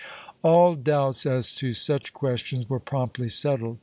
^ All doubts as to such c^uestions were promptly settled.